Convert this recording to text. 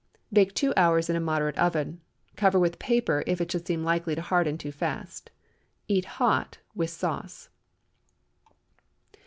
Bake two hours in a moderate oven. Cover with paper if it should seem likely to harden too fast. Eat hot, with sauce.